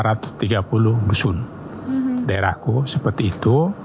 jadi kita punya tiga puluh dusun daerahku seperti itu